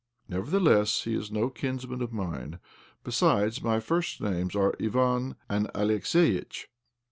" Nevertheless he is no kinsman of mine. Besides, my first names are Ivan and Alex eitch."